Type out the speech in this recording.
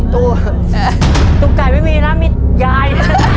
ตูดไก่ไม่มีนะมียาย